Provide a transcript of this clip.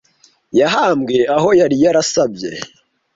yahambwe aho yari yarasabye